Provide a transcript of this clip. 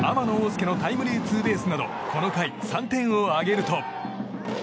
介のタイムリーツーベースなどこの回、３点を挙げると。